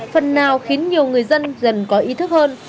phần nào khiến nhiều người dân dần có ý thức hơn